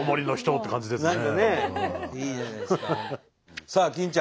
何かねいいじゃないですか。